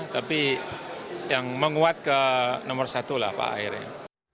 tapi yang menguat ke nomor satu lah pak akhirnya